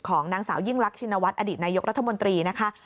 ของนางสาวยิ่งรักชินวัฒนอดีตนายกรัฐมนตรีนะคะ